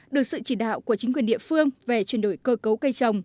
được sự chỉ đạo của chính quyền địa phương về chuyển đổi cơ cấu cây trồng